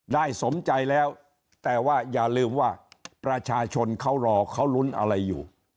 สมใจแล้วแต่ว่าอย่าลืมว่าประชาชนเขารอเขาลุ้นอะไรอยู่